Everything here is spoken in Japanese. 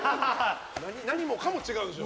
何もかも違うでしょ？